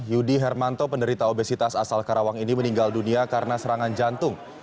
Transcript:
yudi hermanto penderita obesitas asal karawang ini meninggal dunia karena serangan jantung